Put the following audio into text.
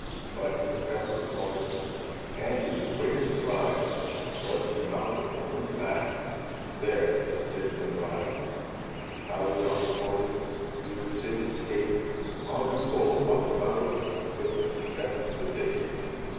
But his pet performance, And his greatest pride, Was to mount the pony's back, There to sit and ride. Proudly on the pony He would sit in state, While good Rollo walked about With a step sedate.